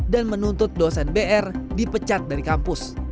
dan menuntut dosen br dipecat dari kampus